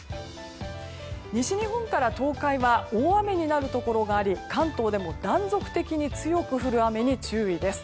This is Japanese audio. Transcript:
西日本から東海は大雨になるところがあり関東でも断続的に強く降る雨に注意です。